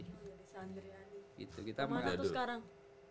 lisa andriani mau matah itu sekarang